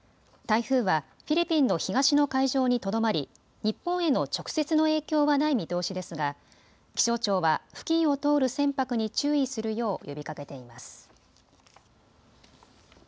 台風はフィリピンの東の海上にとどまり日本への直接の影響はない見通しですが気象庁は付近を通る船舶に注意するよう呼びかけています。